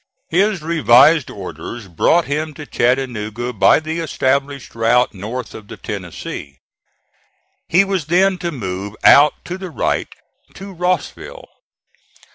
His revised orders brought him to Chattanooga by the established route north of the Tennessee. He was then to move out to the right to Rossville.